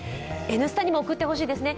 「Ｎスタ」にも送ってほしいですね。